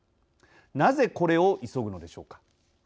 なぜ、これを急ぐのでしょうか。